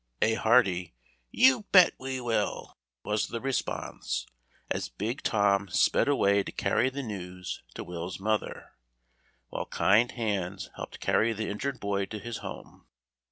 A hearty "You bet we will," was the response, as big Tom sped away to carry the news to Will's mother, while kind hands helped carry the injured boy to his home.